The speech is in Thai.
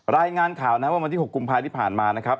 รายงานข่าวนะว่าวันที่๖กุมภาที่ผ่านมานะครับ